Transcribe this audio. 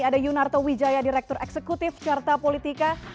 ada yunarto wijaya direktur eksekutif carta politika